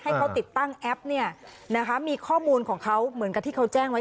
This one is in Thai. ให้เขาติดตั้งแอปเนี่ยนะคะมีข้อมูลของเขาเหมือนกับที่เขาแจ้งไว้